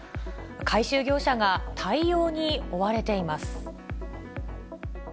回収業者が対応に追われています。